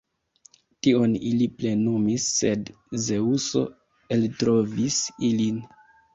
Tion ili plenumis, sed Zeŭso eltrovis ilin.